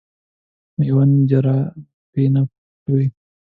مېوند جراپي نه په پښو کوي.